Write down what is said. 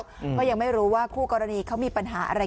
ก็ยังไม่รู้ว่าคู่กรณีเขามีปัญหาอะไร